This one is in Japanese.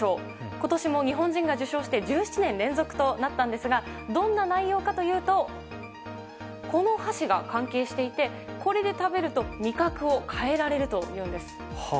今年も日本人が受賞して１７年連続となったんですがどんな内容かというとこの箸が関係していてこれで食べると味覚を変えられるというんです。